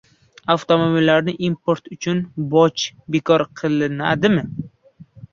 Avtomobillar importi uchun bojlar bekor qilinadimi?